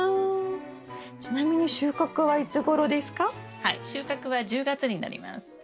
はい収穫は１０月になります。